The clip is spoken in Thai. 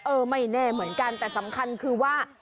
เออไม่แน่เหมือนกันแต่สำคัญคือว่า